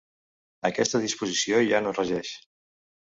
Aquesta disposició ja no regeix.